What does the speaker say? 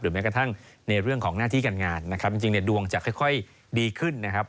แม้กระทั่งในเรื่องของหน้าที่การงานนะครับจริงเนี่ยดวงจะค่อยดีขึ้นนะครับ